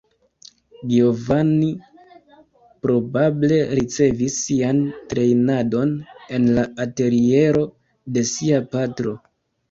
Giovanni probable ricevis sian trejnadon en la ateliero de sia patro.